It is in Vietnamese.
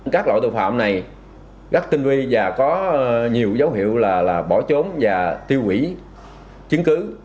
các loại tội phạm này gắt tinh vi và có nhiều dấu hiệu là bỏ trốn và tiêu quỷ chứng cứ